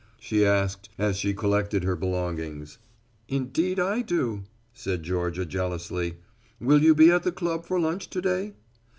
she asked as she collected her belongings. "Indeed I do," said Georgia jealously. "Will you be at the club for lunch to day?"